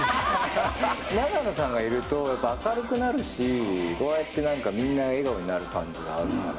永野さんがいると、やっぱ明るくなるし、こうやってなんかみんな、笑顔になる感じがあるから。